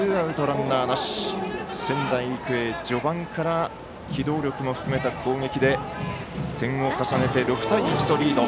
仙台育英、序盤から機動力も含めた攻撃で点を重ねて、６対１とリード。